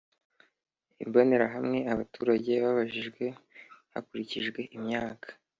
Imbonerahamwe Abaturage babajijwe hakurikijwe imyaka